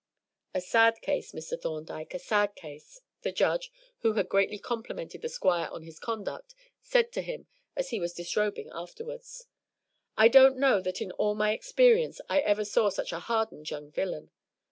"A sad case, Mr. Thorndyke a sad case," the judge, who had greatly complimented the Squire on his conduct, said to him as he was disrobing afterwards. "I don't know that in all my experience I ever saw such a hardened young villain.